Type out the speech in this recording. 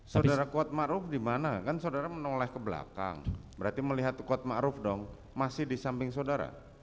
saudara kuat ma'ruf dimana kan saudara menoleh ke belakang berarti melihat kuat ma'ruf dong masih di samping saudara